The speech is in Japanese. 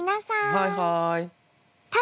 はいはい。